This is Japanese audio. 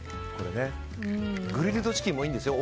グリルドチキンもいいんですよ